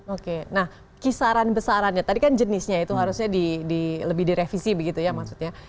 oke nah kisaran besarannya tadi kan jenisnya itu harusnya lebih direvisi begitu ya maksudnya